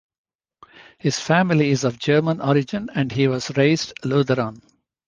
His family is of German origin and he was raised Lutheran.